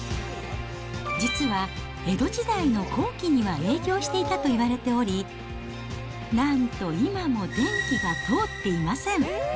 実は、江戸時代の後期には営業していたといわれており、なんと今も電気が通っていません。